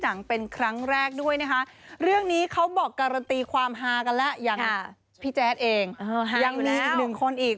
ฮายอยู่แล้วค่ะยังมีอีกหนึ่งคนอีก